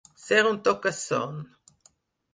Ser un toca-son.